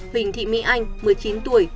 huỳnh thị mỹ anh một mươi chín tuổi